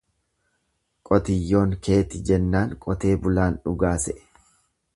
Qotiyyoon keeti jennaan qotee bulaan dhugaa se'e.